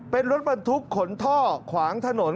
เป็นรถบรรทุกขนท่อขวางถนน